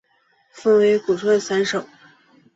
分为古传散手。